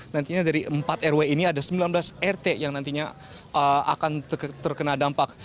nantinya dari empat rw ini ada sembilan belas rt yang nantinya akan terkena dampak